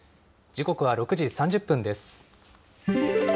時刻は６時３０分です。